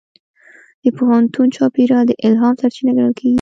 د پوهنتون چاپېریال د الهام سرچینه ګڼل کېږي.